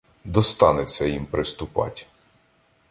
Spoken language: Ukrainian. Достанеться їм приступать.